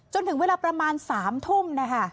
จนถึงเวลาประมาณ๓ทุ่มนะคะ